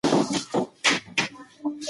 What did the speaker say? مرغۍ په یوه شېبه کې پر ځمکه راولوېده.